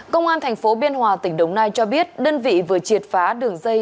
công an tp biên hòa tỉnh đồng nai cho biết đơn vị vừa triệt phá đường dây